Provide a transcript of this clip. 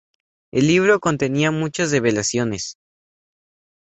El libro contenía muchas revelaciones.